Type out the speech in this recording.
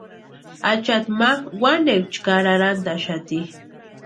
Achati ma wanekwa chʼkari arhantʼaxati.